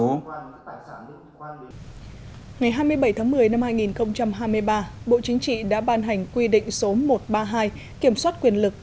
ngày hai mươi bảy tháng một mươi năm hai nghìn hai mươi ba bộ chính trị đã ban hành quy định số một trăm ba mươi hai kiểm soát quyền lực